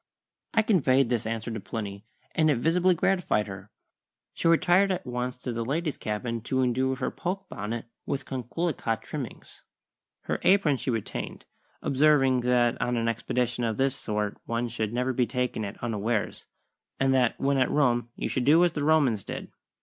I conveyed this answer to Plinny, and it visibly gratified her. She retired at once to the ladies' cabin to indue her poke bonnet with coquelicot trimmings. Her apron she retained, observing that on an expedition of this sort one should never be taken at unawares, and that when at Rome you should do as the Romans did.